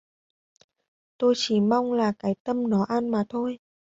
Tôi chỉ mong là cái tâm nó an mà thôi